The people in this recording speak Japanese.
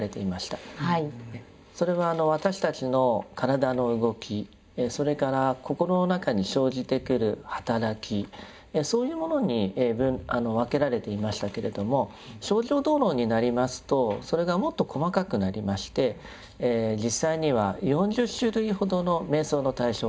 それは私たちの体の動きそれから心の中に生じてくる働きそういうものに分けられていましたけれども「清浄道論」になりますとそれがもっと細かくなりまして実際には４０種類ほどの瞑想の対象が出てまいります。